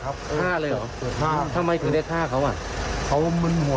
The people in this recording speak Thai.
บีบคอภรรยาจริง